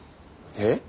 えっ？